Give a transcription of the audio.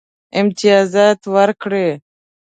امتیازات ورکړي.